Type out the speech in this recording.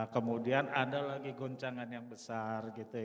kemudian ada lagi goncangan yang besar